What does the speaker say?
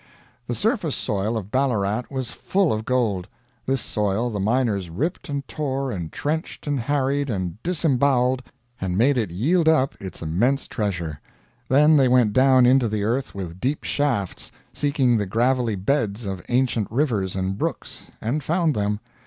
The surface soil of Ballarat was full of gold. This soil the miners ripped and tore and trenched and harried and disembowled, and made it yield up its immense treasure. Then they went down into the earth with deep shafts, seeking the gravelly beds of ancient rivers and brooks and found them.